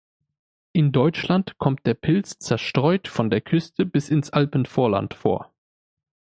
In Deutschland kommt der Pilz zerstreut von der Küste bis ins Alpenvorland vor.